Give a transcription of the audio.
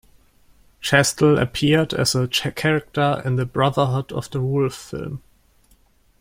Chastel appeared as a character in the "Brotherhood of the Wolf" film.